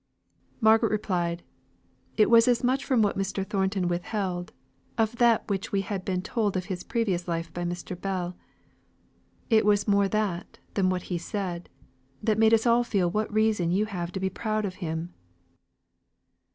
Margaret replied, "It was as much from what Mr. Thornton withheld of that which we had been told of his previous life by Mr. Bell, it was more that than what he said, that made us all feel what reason you have to be proud of him."